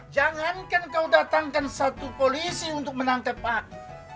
jangankan kau datangkan satu polisi untuk menangkap aku